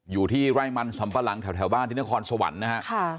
อยู่ที่ไร่มันสำปะหลังแถวบ้านที่นครสวรรค์นะฮะ